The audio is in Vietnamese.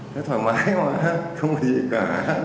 nó thoải mái mà không có gì cả